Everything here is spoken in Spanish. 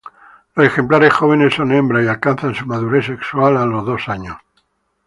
Los ejemplares jóvenes son hembras y alcanzan su madurez sexual a los dos años.